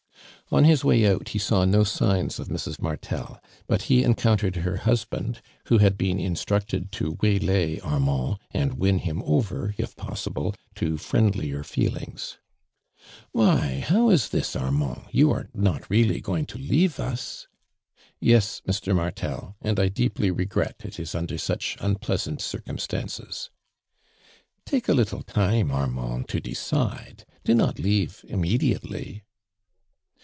On his way out, he saw no signs of Mrs. Martel, but he encountereii her husband who had been instructed to waylay Armand, and win him over, if ijossihle, to friendlier feelings. "Why, how is this, Armand ? You are not really going to leave us ?"" Yes, Mr. Martel, and I deeply regret it is under such unpleasant circum stances." " Take a little time, Armand, to decide. Do not leave immediately."